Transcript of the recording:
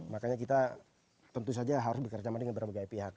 makanya kita tentu saja harus bekerja sama dengan berbagai pihak